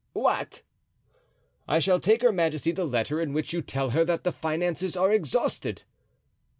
"What?" "I shall take her majesty the letter in which you tell her that the finances are exhausted."